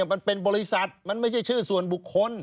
มันเป็นบริษัทมันไม่ใช่ชื่อส่วนบุคคล